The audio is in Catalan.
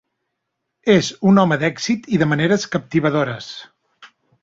És un home d'èxit i de maneres captivadores.